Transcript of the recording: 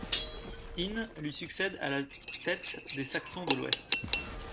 Ine lui succède à la tête des Saxons de l'Ouest.